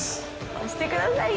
押してください！